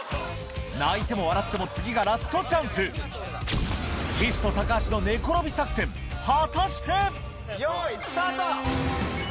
泣いても笑っても次がラストチャンス岸と橋の寝転び作戦果たして⁉よい。